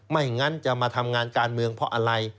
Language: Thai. ไม่งั้นจะมาทำงานการเมืองเพราะอะไร